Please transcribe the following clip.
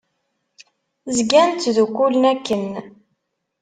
Zgan ttdukkulen akken.